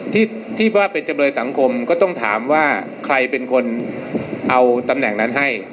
ที่ที่ว่าเป็นจำเลยสังคมก็ต้องถามว่าใครเป็นคนเอาตำแหน่งนั้นให้